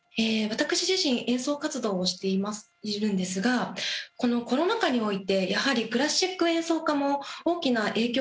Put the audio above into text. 私自身演奏活動をしているんですがこのコロナ禍においてやはりクラシック演奏家も大きな影響を受けました。